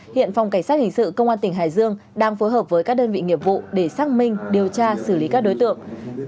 hiện phòng cảnh sát hình sự công an tỉnh hải dương đang phối hợp với các đơn vị nghiệp vụ để xác minh điều tra xử lý các đối tượng